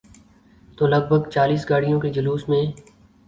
تو لگ بھگ چالیس گاڑیوں کے جلوس میں۔